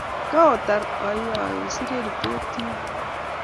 Koitar auyo isiri repotit oo?